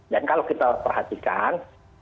dan kalau kita perhatikan